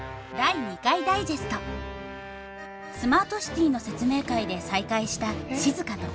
スマートシティの説明会で再会した静と圭一。